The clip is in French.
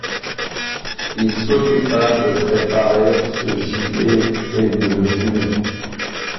Il s’occupa de préparer ce gibier et de le fumer.